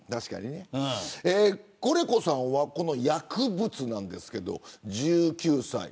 コレコさんは薬物なんですけど、１９歳。